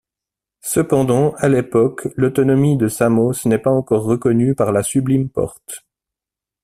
Cependant, à l'époque, l'autonomie de Samos n'est pas encore reconnue par la Sublime Porte.